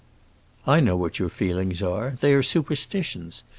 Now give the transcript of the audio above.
"I know what your feelings are: they are superstitions!